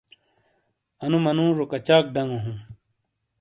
اَنُو مَنُوجو کَچاک ڈَنگوک ہُوں۔